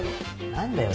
何だよ？